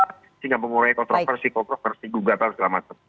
sehingga mengurangi kontroversi kontroversi gugatan segala macam